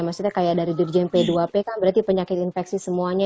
maksudnya kayak dari dirjen p dua p kan berarti penyakit infeksi semuanya